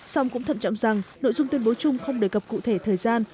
song cũng thận trọng rằng nội dung tuyên bố chung không đề cập cụ thể thời gian